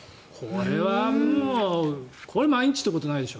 これはもうこれは毎日ってことはないでしょ。